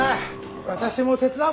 私も手伝おう。